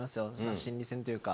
心理戦というか。